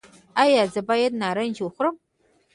ایا زه باید نارنج وخورم؟